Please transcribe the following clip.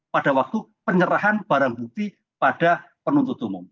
pada waktu penyerahan barang bukti pada penuntut umum